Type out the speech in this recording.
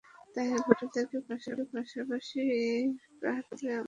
তাই ভোটারদের পাশাপাশি প্রার্থী হিসেবে আমিও সুষ্ঠু নির্বাচন নিয়ে সংশয়ে আছি।